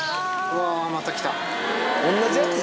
うわー、また来た。